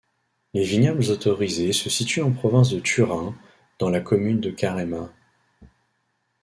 Les vignobles autorisés se situent en province de Turin dans la commune de Carema.